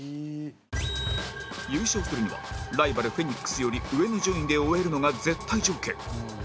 優勝するにはライバルフェニックスより上の順位で終えるのが絶対条件